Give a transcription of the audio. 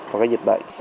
và cái dịch bệnh